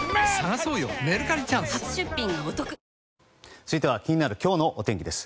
続いては、気になる今日のお天気です。